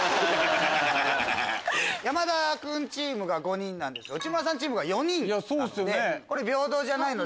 山田君チームが５人なんですが内村さんチームが４人なので。